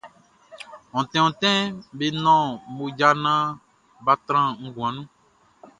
Ontin ontin be nɔn mmoja naan bʼa tran nguan nun.